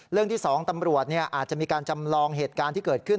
ที่๒ตำรวจอาจจะมีการจำลองเหตุการณ์ที่เกิดขึ้น